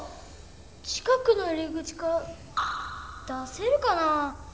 近くの入り口から出せるかなぁ？